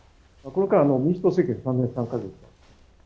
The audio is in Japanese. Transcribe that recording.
この間、民主党政権、３年３か月。